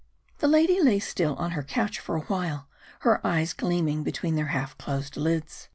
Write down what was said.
The lady lay still on her couch for a while, her eyes gleaming between their half closed lids.